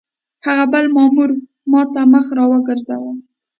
هغه بل مامور ما ته مخ را وګرځاوه.